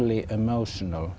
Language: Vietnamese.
các nhà công tác